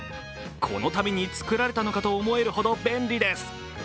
このために作られたのかと思えるほど便利です。